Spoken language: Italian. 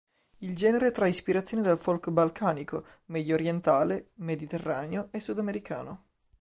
Il genere trae ispirazioni dal folk balcanico, mediorientale, mediterraneo e sudamericano.